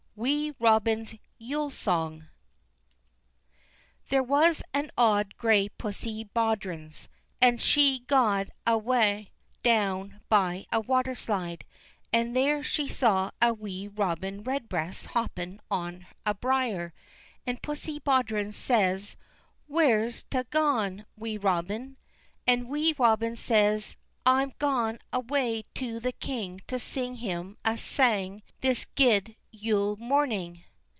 Wee Robin's Yule Song There was an auld gray Pussie Baudrons, and she gaed awa' down by a waterside, and there she saw a Wee Robin Redbreast hoppin' on a brier; and Pussie Baudrons says: "Where's tu gaun, Wee Robin?" And Wee Robin says: "I'm gaun awa' to the king to sing him a sang this guid Yule morning."